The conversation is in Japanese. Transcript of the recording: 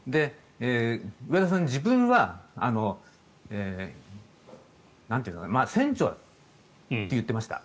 上田さんは自分は船長だと言ってました。